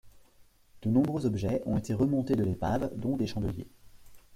De nombreux objets ont été remontés de l'épave dont des chandeliers.